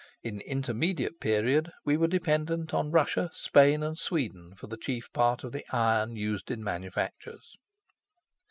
In the intermediate period, we were dependent on Russia, Spain, and Sweden for the chief part of the iron used in manufactures.